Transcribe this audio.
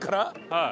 はい。